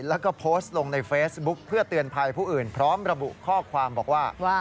แล้วก็โพสต์ลงในเฟซบุ๊คเพื่อเตือนภัยผู้อื่นพร้อมระบุข้อความบอกว่า